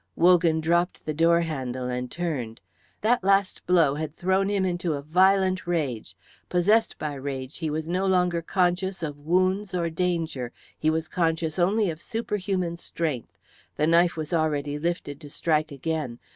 Wogan dropped the door handle and turned. That last blow had thrown him into a violent rage. Possessed by rage, he was no longer conscious of wounds or danger; he was conscious only of superhuman strength. The knife was already lifted to strike again.